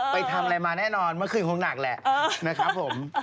ไปทำอะไรมาแน่นอนเมื่อคืนคงหนักแหละนะครับผม